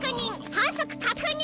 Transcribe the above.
反則確認！